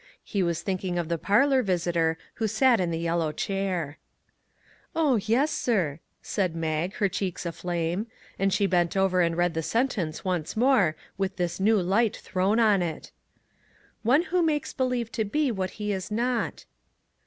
He was think ing of the parlor visitor who sat in the yellow chair. 92 "A CRUMB OF COMFORT' " Oh, yes, sir," said Mag, her cheeks aflame ; and she bent over and read the sentence once more with this new light thrown on it. " One who makes believe to be what he is not."